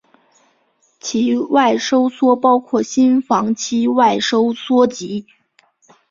期外收缩包括心房期外收缩及。